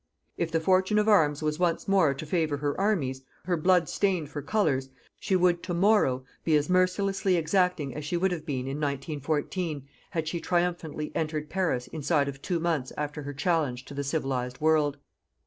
If the fortune of arms was once more to favour her armies, her blood stained for Colours, she would, to morrow, be as mercilessly exacting as she would have been, in 1914, had she triumphantly entered Paris inside of two months after her challenge to the civilized world.